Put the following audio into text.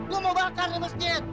gue mau bakar ini masjid